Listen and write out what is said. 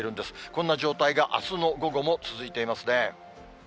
こんな状態があすの午後も続いていますね。